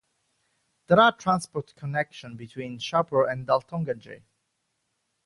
There are transport connections between Shahpur and Daltonganj.